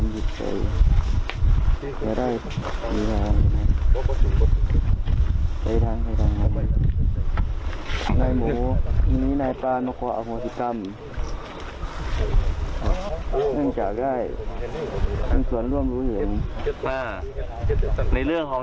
ดูชีวิตเขาถูกไหมตอนนี้รู้สึกสำนึกไหมรู้สึกสำนึก